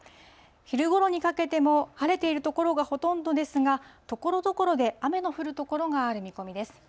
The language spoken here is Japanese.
昼ごろにかけても晴れている所がほとんどですが、ところどころで雨の降る所がある見込みです。